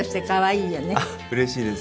あっうれしいです。